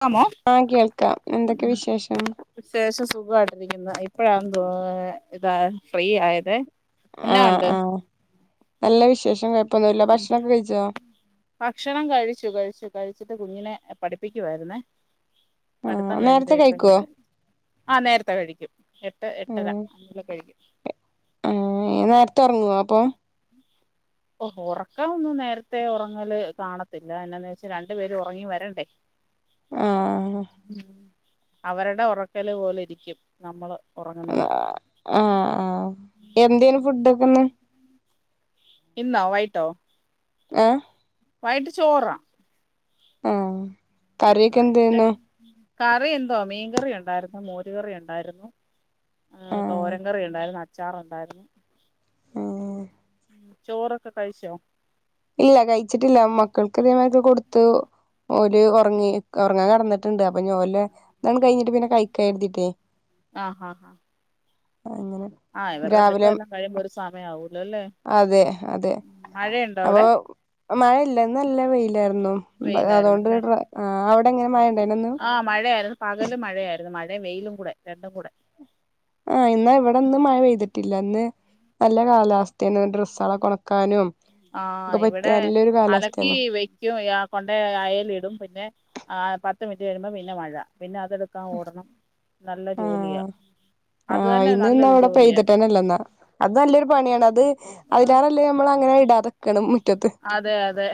ക്കാമോ ആഹ കേൾക്കാം എന്തൊക്കെ വിശേഷം വിശേഷം സുഖമായിട്ടിരിക്കുന്നു ഇപ്പഴാണെന്ന് തോന്ന്ന്നു ഇതാ ഫ്രീ ആയതേ എന്നാ ആഹ ഉണ്ട് ആഹ നല്ല വിശേഷം കുഴപ്പൊന്നുംല്ല ഭക്ഷണൊക്കെ കഴിച്ചോ ഭക്ഷണം കഴിച്ചു കഴിച്ചു കഴിച്ചിട്ട് കുഞ്ഞിനെ പഠിപ്പിക്കുവായിരുന്നേ ആഹ് പടുത്തം കഴിഞ്ഞ് നേരത്തെ ദേ ഇപ്പ കഴിക്കോ ഇങ്ങോട്ട് ആ നേരത്തെ കഴിക്കും എട്ട് എട്ടര ഉം അയിന്റുള്ളേൽ കഴിക്കും ആഹ് നേരത്തെ ഉറങ്ങുവോ അപ്പോ ഓ ഉറക്കം ഒന്നും നേരത്തെ ഉറങ്ങല് കാണത്തില്ല എന്നാന്ന് വെച്ചാൽ രണ്ടു പേരും ഉറങ്ങി വരണ്ടേ [inaudible] ആഹ് അവരടെ ഒറക്കല് പോലെ ഇരിക്കും നമ്മള് ഒറങ്ങുന്നത്. ആഹ്, ആഹ് എന്തെന് ഫുടൊക്കെന്ന്? ഇന്നോ വൈട്ടോ? ഏഹ് വൈട്ട് ചോറാ. ആഹ് കറിയൊക്കെ വൈകിട്ട് എന്തേന്നു? കറി എന്തുവാ മീം കറി ഒണ്ടായിരുന്നു മോരൂകറി ഒണ്ടായിരുന്നു. ആഹ് തോരൻ കറി ഉണ്ടായിരുന്നു, അ ച്ചാറോണ്ടായിരുന്നു. ആഹ് ചോറൊക്കെ കഴിച്ചോ? ഇല്ല കഴിച്ചിട്ടില്ല. മക്കൾക്ക് അതിയാനോക്കെ കൊടുത്തു. ഓര് ഒറങ്ങി ഒറങ്ങാൻ കെടന്ന്. ട്ട്ണ്ട് അപ്പൊഞ്ഞി ഓല് എല്ലാം കഴിഞ്ഞിട്ട് പിന്നെ കയിക്ക എഴുതിട്ടേ അങ്ങനെ. ആ ഇവരുടെ പടുത്തം രാവിലെ എല്ലാം കഴിയുമ്പോ ഒരു സമയം ആവുലോഅല്ലെ. അപോ മഴയില്ല ന്ന്ല്ല വെയിലായിരുന്നു. അതുകൊണ്ട് വെയിലായിരുന്നല്ലേ അവിടെങ്ങനെ മഴയുണ്ടായിരുന്നോ ഇന്ന്? ആഹ് മഴയായിരുന്നു പകല് മഴയായിരുന്നു. മഴേം വെയിലുംകുടെ, രണ്ടുംകുടെ. ആഹ് ഇന്ന് ഇവിടൊന്നും മഴ പെയ്തിട്ടില്ല. ഇന്ന് നല്ല കാലാവസ്ഥേന്നു ഡ്രെസ്സളക്ക ഒണക്കാനും. ആഹ് ഇവിടെ അലക്കി വെക്കും. കൊണ്ടോ അയെലിടും പിന്നെ പത്ത് മിനിറ്റ് കഴുമ്പോ പിന്നെ മഴ പിന്നെ അതടു എടുക്കാം ഓടണം. നല്ല ജോലിയാ. ആഹ് അത് ആഹ് തന്നെ ഇന്ന്ന്ന നല്ലൊരു അവിടെ ജോലിയാ പെയ്തിട്ടു തന്നെ ഇല്ലെന്ന അത് നല്ലൊരു പണിയാണ്. അത് അതിന ല്ല നമ്മളഅങ്ങനെ ഇടാതെ ക്കണം മുറ്റത്ത്. അതെ, അതെ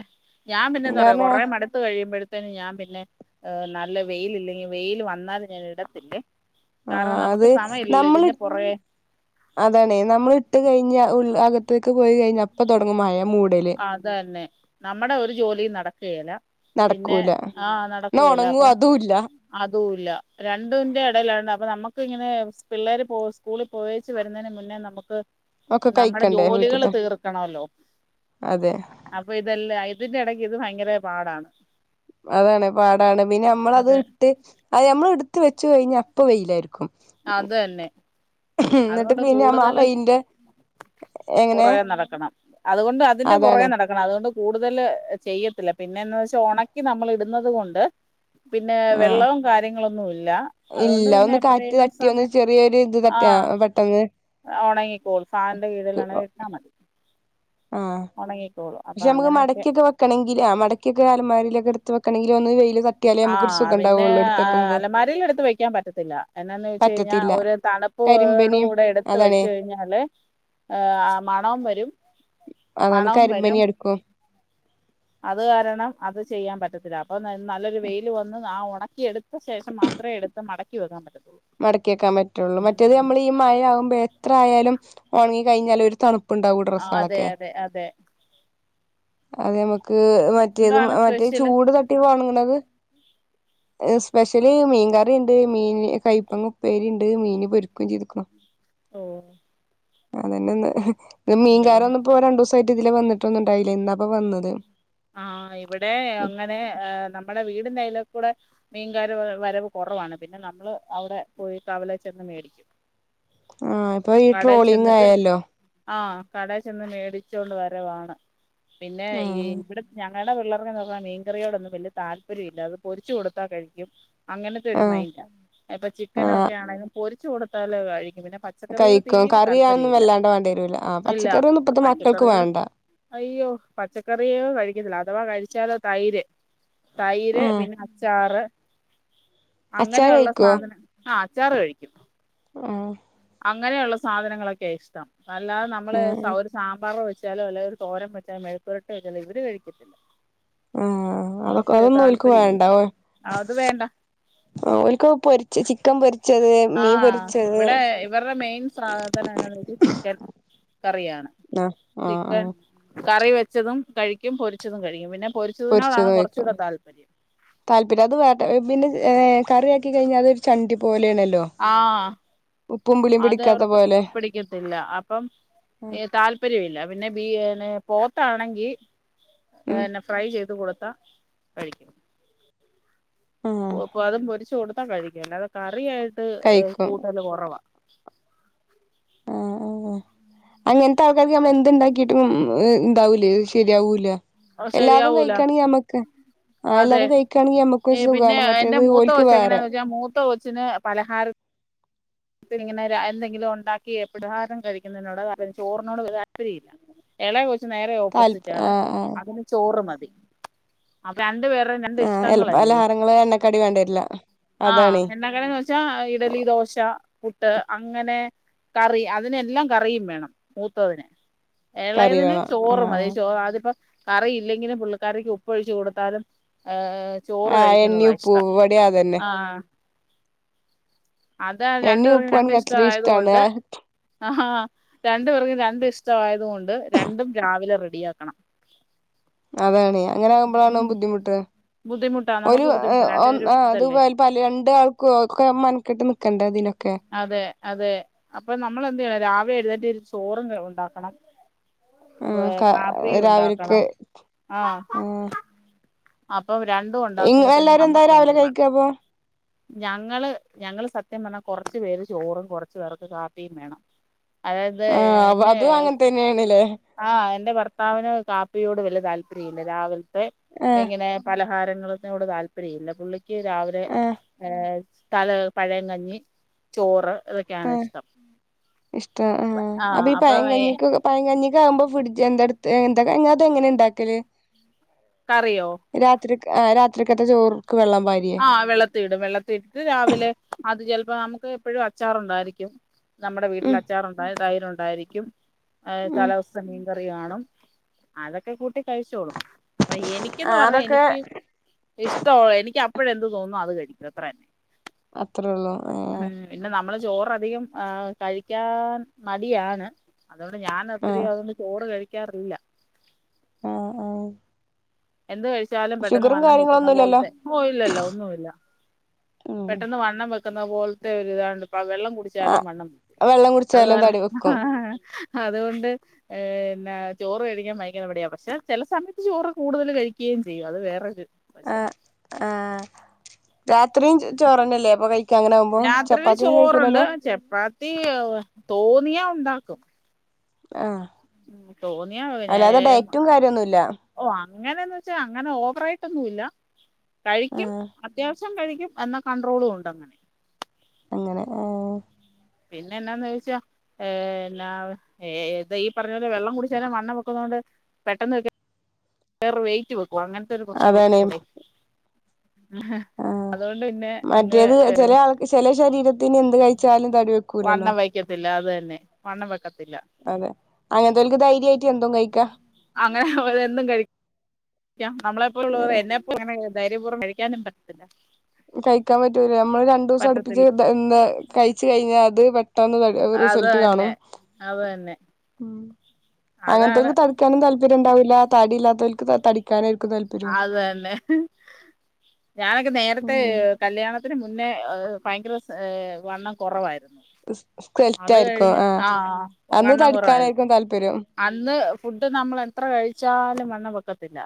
ഞാ പിന്നെ എന്താ പറയാ കാരണം കൊറെ മടത്ത് കഴിയുമ്പോഴത്തേനും ഞാൻ പിന്നെ നല്ല വെയിലില്ലെങ്കി വെയില് വന്നാലും ഞാൻ ഇടത്തില്ലേ. കാരണം ആഹ് നമുക്ക് അത് സമയം ഇല്ലല്ലോ ഇതിന്റെ പുറകെ അതാണ് നമ്മൾ ഇട്ട് കഴിഞ്ഞ ഉൾ അകത്തേക്ക് പോയി കഴിഞ്ഞ അപ്പൊ തുടങ്ങും മഴ മൂ അതന്നെ നമ്മടെ ഒരു ജോലി നടക്കേല്ല. പിന്നെ നടക്കൂല ആഹ് എന്നാ നടക്കേല. ഉണങ്ങും അപ്പൊ അതുല്ല അതുല്ല രണ്ടിന്റെ എടയിലണ്ട് അപ്പൊ നമ്മുക്ക് ഇങ്ങനെ പിള്ളേര് പോ സ്കൂളി പോയെച്ച് വരുന്നേന് മുന്നേ നമുക്ക് ഒക്കെ നമ്മടെ കഴിക്കണ്ടേ ജോലികള് വീട്ടത്തെ തീർക്കണോല്ലോ. അതെ. അപ്പൊ ഇതെല്ലാം ഇതിന്റെ എടക്ക് ഇത് ഭയങ്കര പാടാണ്. അതാണ് പാടാണ്. പിന്നെ അമ്മളത് അതെ ഇട്ട് അത്‌ ഞമ്മള് എടുത്ത് വെച്ച് കഴിഞ്ഞ അപ്പ വെയിലായിരിക്കും. അത് തന്നെ എന്നിട്ട് അതുകൊണ്ട് പിന്നെ നമ്മ ആ കൂടുതല് വെയിലിന്റെ എങ്ങനെ പുറകെ നടക്കണം അതുകൊണ്ട് അതിന്റെ അതാണ് പുറകെ നട ക്കണം അതുകൊണ്ട് കൂടുതല് ചെയ്യത്തില്ല. പിന്നെന്താ‌വെച്ചാ ഒണക്കി നമ്മള് ഇടുന്നത് കൊണ്ട്. പിന്നെ ആഹ് വെള്ളോം കാര്യങ്ങളൊന്നും ഇല്ല. അതുകൊണ്ട് ഇല്ല പിന്നെ ഒന്ന് കാറ്റ് എപ്പോഴേലും ത സമയം ആഹ് ഒണങ്ങിക്കോളും. ഫാനിന്റെ കീഴിലാണെ ഇ ട്ടാ മതി. ആഹ്‌ ഒണങ്ങിക്കോളും അപ്പൊ അങ്ങനെയൊക്കെ. വെക്കണങ്കില് ആ മട്ക്കിക്കെ അലമാരേലൊക്കെ എട് ത്ത് വെക്കണെങ്കില് ഒന്ന് വെയില് ത ആഹ്‌ പിന്നെ അലമാരേല് എടുത്ത് വയ്ക്കാൻ പറ്റത്തില്ല എന്നാന്ന് വെച്ച് കഴിഞ്ഞാ പറ്റത്തില്ല ഒരു തണുപ് പ്പോട് കരിമ്പനിയും കൂടെ എടുത്ത് അതാണേ വെച്ച് കഴിഞ്ഞാല് മണോം വരും. അതാണ് മണവും കരിമ്പനി വരും അടിക്കും. അത് കാരണം അത് ചെയ്യാൻ പറ്റത്തില്ല. അപ്പൊ നല്ലൊരു വെയില് വന്ന് ആ ഒണക്കിയെടു ത്ത ശേഷം മാത്രേ എടുത്ത് മടക്കി വെക്കാൻ പറ്റത്തുള്ളൂ. മടക്കിയെക്കാൻ പറ്റുള്ളൂ മറ്റേത് ഉം നമ്മൾ ഈ മഴ ആകുമ്പോ എത്ര ആയാലും ഒണങ്ങി കഴിഞ്ഞാലും ഒരു തണുപ്പ്. പ്പ് ണ്ടാവും ആ അതെ ഡ്രെസ്സെളൊക്കെ. അതെ അതെ അതെമ്മക്ക് മറ്റേത് എന്താണ് മറ്റേ സ്പെഷ്യല് ചൂട് തട്ടി ഒണങ്ങണത്. സ്പെഷ്യല് മീൻകറിണ്ട്, മീന് കൈപ്പങ്ങ ഉപ്പേരി, ണ്ട് മീന് പൊരിക്കും, ചെയ്ത്ക്ക്ണ്. ഓ അതന്നെ ന്ന് ഉണ്ട് മീൻകാരൊന്നും ഇപ്പോ രണ്ടോസായിട്ട് ഇതില വന്നിട്ടൊന്നും ഇണ്ടായില്ല ഇന്നാപ്പ വന്നത്. ആഹ്‌ ഇവ്ടെ അങ്ങനെ നമ്മടെ വീടിന്റെയ്ലെക്കൂടെ. മീൻകാര വരവ് കൊറവാണ് പിന്നെ നമ്മള് അവിടെ പോയി കവല ചെന്ന് മേടിക്കും. ആഹ് ഇപ്പൊ ഈ കടേ ട്രോളിങ് ചെന്നിട്ട്. ആയല്ലോ ആഹ്‌ കടേച്ചെന്ന് മേടിച്ചൊണ്ട് വരവാണ് പിന്നെ ഈ ആഹ് ഞങ്ങടെ പിള്ളേർക്കൊന്നും എന്തെന്നാ മീൻകറിയോടൊന്നും വല്ല്യ താല്പര്യ ല്ല അത് പൊരിച്ച് കൊടുത്താ കഴിക്കും. അങ്ങനത്തെ ഒരു ആഹ് മൈൻഡാ ഇപ്പൊ ആഹ് ചിക്കനൊക്കെ ആണെങ്കിലും പൊരിച്ച് കൊടുത്താൽ കഴിക്കും. പിന്നെ പ കഴിക്കും കറിയാന്നും വല്ലാണ്ട് വേണ്ടി വരൂലആ ഇല്ല പച്ചക്കറിയൊന്നും ഇപ്പത്ത മക്കൾക്ക് പച്ചക്കറിയോട് വേണ്ട. അയ്യോ പച്ചക്കറിയോ കഴിക്കത്തില്ല അഥവാ കഴിച്ചാലൊ തൈര് തൈര് ആഹ് പിന്നെ അച്ചാറ് അച്ചാറ് അങ്ങനെയുള്ള കഴിക്കോ സാധനം ആഹ്‌ അച്ചാറ് കഴിക്കും. ആഹ്‌ അങ്ങനെയുള്ള സാധനങ്ങളൊക്കെ ഇഷ്ടം അല്ലാതെ നമ്മള് ആഹ് സ സാമ്പാർ വെച്ചാലോ അല്ലെ ഒരു തോരം വെച്ചാലും മെഴക്കുപുരട്ടി വെച്ചാലോ ഇവര് കഴിക്കത്തില്ല. ആഹ് അതൊക്കെ അവർക്ക് അതൊന്നും ഓൽക്ക് താല്പര്യല്ല വേണ്ട അത് വേണ്ട. ഓൽക്കൊക്കെ പൊര് ചിക്കൻ പൊര് ആഹ്‌ ഇവിടെ ഇവരുടെ മെയിൻ സാധനാണത് ചിക്കൻ. കറിയാണ്. ആഹ്‌ ചിക്കൻ ആഹ്‌. കറി വെച്ചതും കഴിക്കും പൊരിച്ചതും കഴിക്കും പിന്നെ. പൊരിച്ചതിനോടാണ് പൊര്ച്ചതും കയ്ക്കും. കുറച്ചുകൂടെ താല്പര്യം താല്പര്യം അത് [unintelligible] പിന്നെ കറിയാക്കി കഴിഞ്ഞാൽ അതൊരു ചണ്ടി പോലെണല്ലോ ആഹ്‌ അത് അവർക്ക് പോലെ പിടിക്കത്തില്ല. അപ്പം താല്പര്യല്ല പിന്നെ ബീ പോത്താണെങ്കി. ഉം അതെന്നെ ഫ്രൈ ചെയ്ത് കൊടുത്താ കഴിക്കും. ആഹ് ഇപ്പൊ അതും പൊരിച്ച് കൊടുത്താ കഴിക്കും അല്ലാതെ കറിയായിട്ട് ഏഹ്‌ കഴിക്കും കൂട്ടല് കൊറവാ [inaudible] അങ്ങൻത്തെ ആൾക്കാർക്ക് നമ്മൾ എന്തുണ്ടാക്കിട്ടും ഇണ്ടാവൂലേ ശരിയാവൂല. അത് എല്ലാതും ശരിയാവൂല കഴിക്കാണേ ഞമ്മക്ക്. ആ അതെ എല്ലതും കയിക്കാണെങ്കി ഞമ്മക്ക് സുഖാണ് മറ്റേത് ഓൽക്ക് വേറെ. ഇവടത്തെ കൊച്ചിന് പലഹാര ഇങ്ങനെ എന്തെങ്കിലും ഒണ്ടാക്കി [unintelligible] കഴിക്കുന്നതിനോട് താ ചോറിനോട്ഒരു താല്പര്യല്ല. എളേ കൊച്ച് നേരെ താല്പ ഓപ്പോസിറ്റാണ് ആഹ് ആഹ് അതിന് ചോറ് മതി. അപ്പൊ രണ്ട് പേർടേം രണ്ട് ആ എല്ല ഇഷ്ടങ്ങളല്ലേ പലഹാരങ്ങള് എണ്ണക്കടി വേണ്ടി വരില്ല അതാണേ ആഹ്‌. ണ്ടാക്കണെന്ന് വെച്ചാ ഇഡലി ദോശ. പുട്ട് അങ്ങനെ കറി അതിനെല്ലാം കറിയും വേണം മൂത്തതിന്. കറി ഏളയതിന് വേണം ആ ചോറും മതി ചോറ ആതിപ്പ കറിയില്ലെങ്കിലും പുള്ളിക്കാരിക്ക് ഉപ്പൊഴിച്ചു കൊടുത്താലും ചോറ് ആ എണ്ണി കഴിക്കുന്നതാ ഉപ്പു ഇഷ്ടം ഇവിടെ അതന്നെ ആഹ. അത എണ്ണി രണ്ടുപേർക്കും ഉപ്പു രണ്ട് ആണെങ്കി അത്ര ഇഷ്ടാണ് ഇഷ്ടായതുകൊണ്ട് ആഹാ രണ്ടു പേർകും രണ്ടും ഇഷ്ടമായത് കൊണ്ട് രണ്ടും രാവിലെ റെഡിയാക്കണം. അതാണ് അങ്ങനെ ആകുമ്പളാണ് ബുദ്ധിമുട്ട് ബുദ്ധിമുട്ടാ ഓല് നമുക്ക് അ ബുദ്ധിമുട്ടാ അ രണ്ടുപേരും അ അത് ഇതല്ലേ വൽ പല രണ്ട് ആൾക്ക ഒക്കെ മന്ക്കെട്ട് നിക്കണ്ട ഇതിനൊക്കെ. അതെ അതെ അപ്പൊ നമ്മൾ എന്ത് ചെയണം രാവിലെ എഴുനെറ്റ് ഒരു ചോറും ഉണ്ടാക്കണം. ആ പ്പ ക കാപ്പിയു രാവിലക്ക് ഉണ്ടാക്കണം ആഹ ആ അപ്പം രണ്ടും ഇങ്ങ ഉണ്ടാക്കുമ്പോ തന്നെ എല്ലാരും എന്താ നമ്മുക്ക് രാവിലെ ഭയങ്കര [unintelligible] കഴിക്ക അപ്പൊ ഞങ്ങള് ഞങ്ങള് സത്യം പറഞ്ഞാൽ കെറച്ചു പേര് ചോറും കെറച്ചു പേർക്ക് കാപ്പിയും വേണം. അതായത് ഏഹ് അപ്പൊ എന്റെ അതും അങ്ങനെ തന്നെയണല്ലേ? ആഹ് എന്റെ ഭർത്താവിന് കാപ്പിയോട് വലിയ താല്പര്യം ഇില്ല രാവിലത്തെ ആ ഇങ്ങനെ പലഹാരങ്ങളനോട് താല്പര്യ ഇല്ല പുള്ളിക്ക് രാവിലെ ആ തല പഴങ്കഞ്ഞി ചോറ് ഇതൊക്കെയാണ് ആഹ് ഇഷ്ടം ഇഷ്ട ആഹ് അപ്പൊ പയം കഞ്ഞിക്ക്- പനകഞ്ഞിക്ക ആമ്പോ എന്തടുത്ത് എന്തത് എങ്ങനെ ഉണ്ടാക്കല്- കറിയോ രാത്രി രാത്രിക്കത്തെ ചോർക്ക് വെള്ളം പര് ആഹ് വെള്ളത്തിടും വെള്ളത്തി ഇട്ടിട്ട് രാവിലെ അത് ചിലപ്പോ നമുക്ക് എപ്പഴും അച്ചാറുണ്ടായിരിക്കും നമ്മുടെ വീട്ടിൽ ഉം അച്ചാറുണ്ടായി ധൈര്ം ഉണ്ടായിരിക്കും ഉം തലസ്തേ മീൻകറി കാണും അതൊക്കെ കൂട്ടി കഴിച്ചോളും. അപ്പൊ എനിക്കന്ന് ആഹ് പറഞ്ഞാ അതൊക്കെ എനിക്ക് ഇഷ്ടള്ള എനിക്ക് ഇപ്പോഴ എന്ത് തോന്നുന്നു അത് കഴിക്കും അത്ര തന്നെ അത്രേയള്ളൂ ഏഹ് പിന്നെ നമ്മള് ചോറധികം ആഹ് കഴിക്കാൻ മടിയാണ് അതുകൊണ്ട് ഞാൻ ആഹ് അത്രരിയും അതുകൊണ്ട് ചോട് കഴിക്കാറില്ല. ആഹ് ആഹ് എന്ത് കഴിച്ചാലും പെട്ടെന്ന് ഷുഗറും വണ്ണം പെറ്റുന്ന കാര്യങ്ങളൊന്നും ഇല്ലല്ലോ പോലത്തെ ഓഹ് ഇല്ലല്ല ഒന്നുമല്ല. ഉം പെട്ടെന്ന് വണ്ണം വെക്കുന്ന പോലത്തെ ഒരു ഇതാണ്ട് വെള്ളം കുടി ച്ചാലും ആഹ് വണ്ണം വെക്കും വെള്ളം അത് കുടിച്ചാലും തടി കാരണം വെക്കും അതുകൊണ്ട് ്ന്ന ചോറ് കേഴിക്കാൻ വൈിക്കുന്ന എവിടെയാ പക്ഷെ ചില സമയത്ത് ചോറ് കൂടുതൽ കഴിക്കുകയും ചെയ്യും അത് വേറൊരു വശം ആഹ് ആഹ് രാത്രിയും ചോറന്നല്ലേ അപ്പൊ കഴിക്കാ അങ്ങനെ ആകുമ്പോ രാത്രിയില് ചപ്പാത്തി ഒന്നും ചോറുണ്ട് കഴിക്കൂലല്ലോ. ചപ്പാത്തി.. ത്തി തോന്നിയാ ഉണ്ടാക്കും. ആഹ് അല്ലാതെ തോന്നിയാ ഡയറ്റും കാര്യമൊന്നുല്ല? ഓ അങ്ങനെന്ന് വെച്ചാ അങ്ങനെ ഓവറയിട്ടൊന്നുല്ല കഴിക്കും ആഹ് അത്യാവശ്യം കഴിക്കും എന്ന കൺട്രോളും ഉണ്ട് അങ്ങനെ. അങ്ങനെ ആഹ് പിന്നെ എന്താന്ന് ചോദിച്ചാ. ഏന്ന ഈ പറഞ്ഞ പോലെ വെള്ളം കുടിച്ചേന വണ്ണം വെക്കുന്നത കൊണ്ട് പെട്ടെന്ന് വക്ക വേറെ വെയിറ്റ് വെക്കവാ അങ്ങനത്തെ ഒരു അതാണ് പ്രശ്നള്ളണ്ട ആഹ് അതുകൊണ്ട്ന്നെ അങ്ങ് ഏ ചില ശരീരത്തിന് എന്ത് കഴിച്ചാലും തടിവെക്കൂലല്ലോ? വക്കത്തില്ല അതന്നെ വണ്ണം വെക്കത്തില്ല. അതെ അങ്ങനത്തെല്ക്ക് ധൈര്യമായിട്ട് എന്തും കഴിക്കാ. അങ്ങനെ അവന്തും കഴിക്കും. നമ്മളെപ്പോലുള്ള എന്നെപ്പ അങ്ങനെ ധൈര്യപൂർവം കഴിക്കാനും പറ്റത്തില്ല. കഴിക്കാൻ പറ്റൂല നമ്മള് രണ്ടീസം അടുപ്പിച്ച് പറ്റത്തില്ല പിന്നെ കഴിച്ചു കഴിഞ്ഞാൽ അത് പെട്ടെന്ന് ക വേഗം അത് റിസൾട്ട്‌ തന്നെ കാണും അത് തന്നെ മ് അതാണ് അങ്ങത്തൊന്നും [unintelligible] ഇണ്ടാവില്ല താടിയില്ലാത്തോൽക്ക് തടിക്കാനായിരിക്കുന്ന. അതന്നെ. ഞാനൊക്കെ നേരത്തെ കല്യാണത്തിന് മുന്നേ ഭയങ്കര വണ്ണം കുറവായിരുന്ന്. അത് സ്കെൽറ്റായിരിക്കും കഴിഞ്ഞ് ആ ആഹ് അന്ന് വണ്ണം കുറവായിരുന്നു. തടിക്കാനായിരിക്കും താല്പര്യം അന്ന് ഫുഡ് നമ്മൾ എത്ര കഴിച്ചാലും വണ്ണം വെക്കത്തില്ല.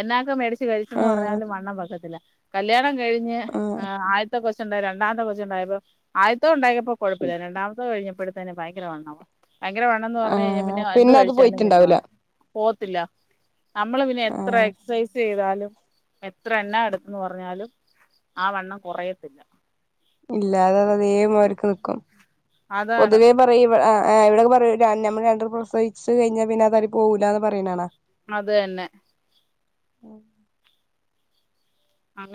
എന്നക്കെ മേടിച്ച് ആ കഴിച്ചന്ന് പറഞ്ഞാലും വണ്ണം വെക്കത്തില്ല കല്യാണം കഴിഞ്ഞ് ആ അ ത്തെ കൊച്ചുണ്ട രണ്ടമത്തെ കൊച്ചുണ്ടായപ്പോ ആദ്യത്തോ ഉണ്ടായിയപ്പോ കൊഴപ്പില്ല രണ്ടാമത്തെ കഴിഞ്ഞപ്പോഴടുത്തന്നന് ഭയങ്കര വണ്ണാ. ഭയങ്കര വണ്ണന്ന് ആ പറഞ് കഴിഞ്ഞാൽ പിന്നെ എന്ത് അത് കഴിച്ചാലും പിന്നെ വ പോയിട്ടുണ്ടാവൂല പോവത്തില്ല നമ്മള് പിന്നെ ആ എത്ര എക്സസൈസ് ചെയ്താലും എത്ര എണ്ണ എടുത്തന്ന് പറഞ്ഞാലും ആ വണ്ണം കൊറയത്തില്ല. ഇല്ല അത് അത് അതേ മാർക്ക് നിക്കും അതാണ് പൊതുവെ പറ ഇവി ആഹ് ആഹ് ഇവടെക്കെ പറയൂ നമ്മൾ രണ്ടരപ പ്രസഹിച്ചു കഴിഞ്ഞാ പിന്നെ അതടി പോകൂല എന്ന് പറയുന്നാണ. അതന്നെ.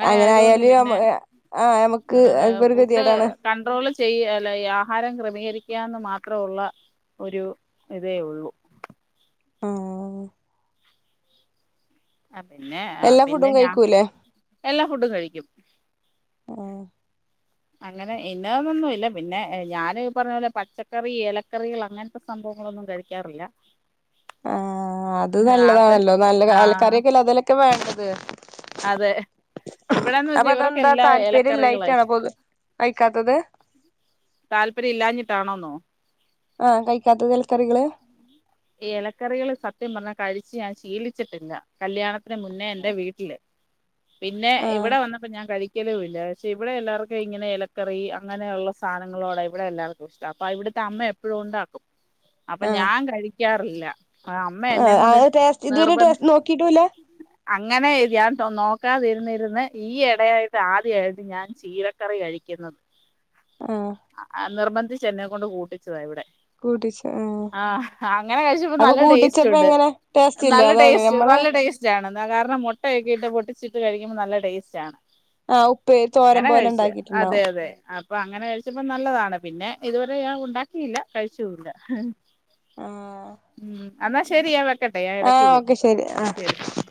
അങ്ങനെ ആയതുകൊണ്ട് ആയാലു പിന്നെ നമ്മ ആഹ് നമക്ക് അതൊരു ഗതികേടാണ്. കൺണ്ട്രോള് ചെയ്യ അല്ല ഈ ആഹാരം ക്രമീകരിക്കാന്ന് മാത്രയുള്ള. ഒരു ഇതേ ഉള്ളൂ. ആഹ്. ആഹ് പിന്നെ ആഹ് എല്ലാ പിന്നെ ഫുഡും ഞാ കഴിക്കൂലേ എല്ലാ ഫുഡും കഴിക്കും. ആഹ് അങ്ങനെ ഇന്നന്നൊന്നുല്ല പിന്നെ ഞാന് പറഞ്ഞപോലെ പച്ചക്കറി ഏലക്കറികൾ അങ്ങനെ ത്ത സംഭവങ്ങളൊന്നും കഴിക്കാറില്ല. ആഹ് അത് അത് നല്ലതാണല്ലോ നല്ല ആ അയൽക്കറിയൊക്കെല്ലെ അതിലൊക്കെ വേണ്ടത് അതെ. ഇവിടെന്ന് അപ്പൊ വെച്ചാ ഇവർക്ക അതെന്താ എല്ലാ താല്പര്യം ഇലക്കറികളാ ഇല്ലായിട്ടാണോ ഇഷ്ടം. പൊതു കഴിക്കാത്തത് താല്പര്യല്ലാഞ്ഞിട്ടാണോന്നോ? ആഹ് കഴിക്കാത്തത് എലക്കറികള്? ഇലക്കറികൾ സത്യം പറഞ്ഞാ കഴിച്ച് ഞാൻ ശീലിച്ചിട്ടില്ല. കല്യാണത്തിന് മുന്നേ എന്റെ വീട്ടില് പിന്നെ ആഹ് ഇവിടെ വന്നപ്പോ ഞാൻ കഴി ക്കലു ഇല്ല പക്ഷേ ഇവിടെ എല്ലാവർക്കും ഇങ്ങനെ ഇലക്കറി അങ്ങനെയുള്ള സാധനങ്ങളോട ഇവിടെ എല്ലാർക്കും ഇഷ്ട അപ്പൊ ഇവിടുത്തെ അമ്മ എ പ്പളും ഉണ്ടാക്കും അപ്പൊ ആഹ് ഞാൻ കഴിക്കാറില്ല. അമ്മ എന്നെ ആഹ് ആ കൊണ്ട് ടേസ്റ്റ് ഇതുവരെ നിർബന്ധ ടേസ് നോക്കിട്ടുല്ല? അങ്ങനെ ഇത് ഞാൻ നോക്കാതിരുന്നിരുന്ന് ഈ എ ടയായിട്ട് ആദ്യയായിട്ട് ഞാൻ. ചീരക്കറി കഴിക്കുന്നത്. ആഹ്. ആ നിർബന്ധിച്ച് എന്നെ കൊണ്ട് കൂട്ടിച്ചത ഇവിടെ. കൂട്ടിച്ച ആഹ്. ആഹ് അങ്ങനെ കഴ്ച്ചപ്പോ അപ്പൊ നല്ല ടേസ്റ്റ് കൂട്ടിച്ചപ്പോ ഉണ്ട് എങ്ങനെ ടേസ്റ്റ് ഇല്ല നല്ല അതാണ് ടേസ്റ്റ് നമ്മളെ നല്ല ടേസ് റ്റാണ് കാരണം മുട്ടയക്കിട്ട് പൊട്ടിച്ചിട്ട് കഴിക്കുമ്പോ നല്ല ടേസ്റ്റാണ്. ആഹ് ഉപ്പേരി തോരൻ ഉടനെ പോലെ കഴിച്ചെ അതെ ഉണ്ടാക്കിട്ടുണ്ടാവും അതെ ആ അപ്പൊ അങ്ങനെ കഴിച്ചപ്പോ നല്ലതാണ് പിന്നെ ഇതുവരെ ഞാൻ ഉണ്ടാക്കിയില്ല കഴിച്ചൂല്ല. ആഹ്. ഉം അന്നാ ശരി ഞാൻ വെക്കട്ടെ ഞാ ഇടക്ക് ആഹ് വിളിക്കാ ഓക്കെ ശരി ആഹ് ശരി ശരി.